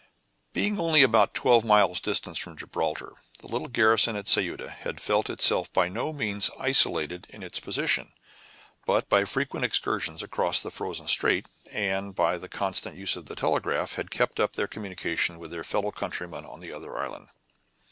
Being only about twelve miles distant from Gibraltar, the little garrison at Ceuta had felt itself by no means isolated in its position; but by frequent excursions across the frozen strait, and by the constant use of the telegraph, had kept up their communication with their fellow countrymen on the other island.